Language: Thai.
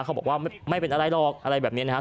เขาบอกว่าไม่เป็นอะไรหรอกอะไรแบบนี้นะครับ